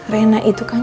rena itu kan